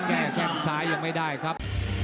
แทรกซ้ายยังไม่ได้ครับ